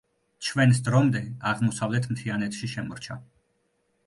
ჩვენს დრომდე აღმოსავლეთ მთიანეთში შემორჩა.